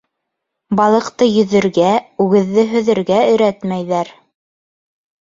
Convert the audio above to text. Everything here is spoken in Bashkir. Балыҡты йөҙөргә, үгеҙҙе һөҙөргә өйрәтмәйҙәр.